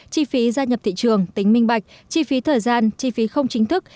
chi phí gia nhập thị trường tính minh bạch chi phí thời gian chi phí không chính thức